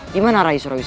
dimana rai suriwisesa